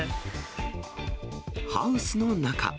ハウスの中。